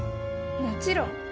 もちろん。